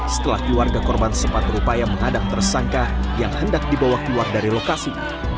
setelah keluarga korban sempat berupaya mengadang tersangka yang hendak dibawa keluar dari lokasi